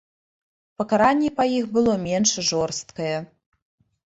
Пакаранне па іх было менш жорсткае.